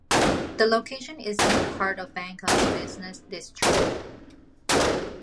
The location is near the heart of Bangkok's business district.